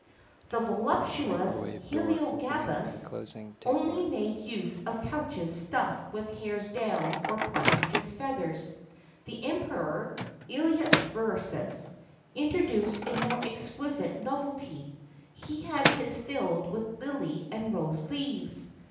[XXXII 60] The voluptuous Heliogabalus only made use of couches stuffed with hares' down or partridges' feathers.[XXXII 61] The Emperor Œlius Verus introduced a more exquisite novelty: he had his filled with lily and rose leaves.